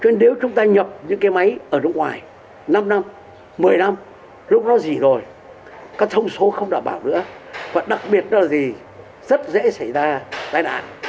nếu chúng ta nhập những máy ở nước ngoài năm năm một mươi năm lúc đó gì rồi các thông số không đảm bảo nữa và đặc biệt là gì rất dễ xảy ra tai đạn